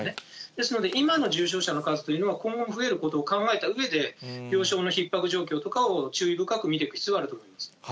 ですので今の重症者の数というよりは、今後も増えることを考えたうえで、病床のひっ迫状況とかを注意深く見ていく必要はあると思います。